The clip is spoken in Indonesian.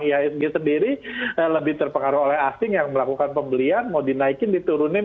ihsg sendiri lebih terpengaruh oleh asing yang melakukan pembelian mau dinaikin diturunin